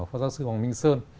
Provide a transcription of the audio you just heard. phó giáo sư hoàng minh